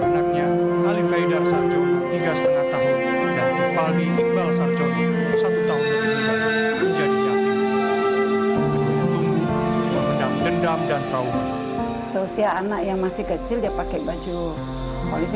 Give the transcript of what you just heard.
orang anaknya ali faidar sarjona tiga lima tahun dan tufalbi iqbal sarjona satu tahun lebih menjadi nyatip